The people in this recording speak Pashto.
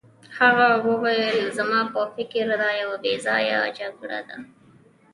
هغه وویل زما په فکر دا یوه بې ځایه جګړه ده.